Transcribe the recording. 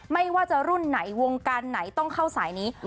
ไม่ว่าจะรุ่นไหนวงการไหนต้องเข้าสายนี้